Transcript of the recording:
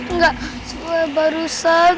dengar gak suara barusan